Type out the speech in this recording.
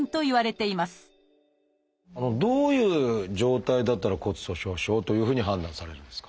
どういう状態だったら骨粗しょう症というふうに判断されるんですか？